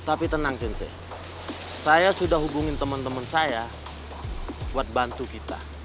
tapi tenang sensei saya sudah hubungin temen temen saya buat bantu kita